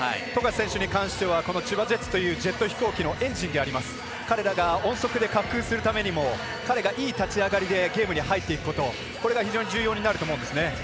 富樫選手に関してはこの千葉ジェッツというジェット飛行機のエンジンであります彼らが音速で滑空するためにも彼がいい立ち上がりでゲームに入っていくことが重要になると思うんですね。